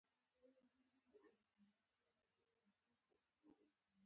د مدني حقونو د لومړ قانون د تصویب په غبرګون کې سناتور اعتراض وکړ.